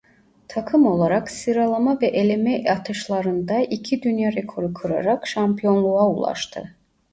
Takım olarak sıralama ve eleme atışlarında iki dünya rekoru kırarak şampiyonluğa ulaştı.